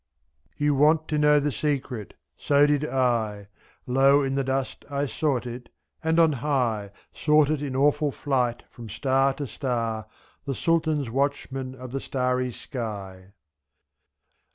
You want to know the Secret — so did I, Low in the dust I sought it, and on high 7X. Sought it in awful flight from star to star. The Sultan's watchman of the starry sky.